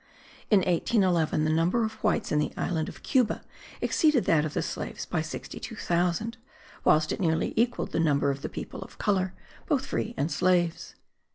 In 1811, the number of whites in the island of Cuba exceeded that of the slaves by 62,000, whilst it nearly equalled the number of the people of colour, both free and slaves.